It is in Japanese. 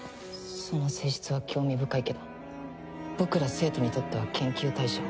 その性質は興味深いけど僕ら生徒にとっては研究対象。